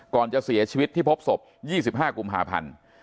ก่อนจะเสียชีวิตที่พบศพ๒๕กุมภาพันธ์